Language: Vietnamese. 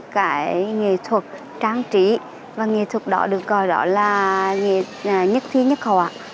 cái nghề thuật trang trí và nghề thuật đó được gọi đó là nghề nhất thiên nhất hòa